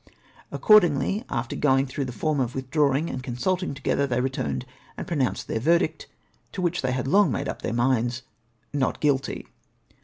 Accordingly, after going through the form of withdrawing and consulting together, they returned and pronounced their verdict, to which they had long made up their minds — Not Guilty.''''